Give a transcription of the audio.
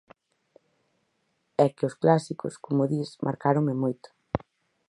É que os clásicos, como dis, marcáronme moito.